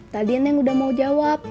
tadi neng udah mau jawab